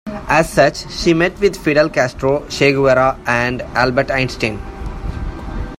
As such, she met with Fidel Castro, Che Guevara and Albert Einstein.